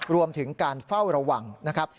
รวมถึงการเฝ้าระวังนะครับ